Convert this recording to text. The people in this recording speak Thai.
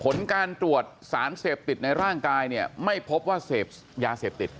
ผลการตรวจสารเสพติดในร่างกายเนี่ยไม่พบว่าเสพยาเสพติด